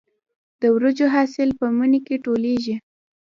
د وریجو حاصل په مني کې ټولېږي.